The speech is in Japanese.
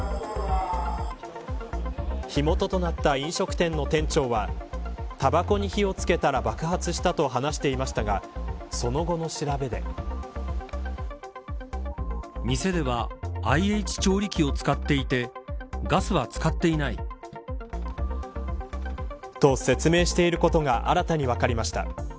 火元となった飲食店の店長はたばこに火をつけたら爆発したと話していましたがその後の調べで。と、説明していることが新たに分かりました。